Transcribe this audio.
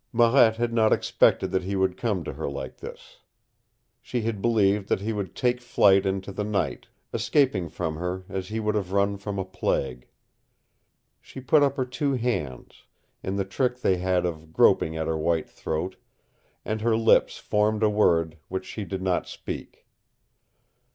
Marette had not expected that he would come to her like this. She had believed that he would take flight into the night, escaping from her as he would have run from a plague. She put up her two hands, in the trick they had of groping at her white throat, and her lips formed a word which she did not speak.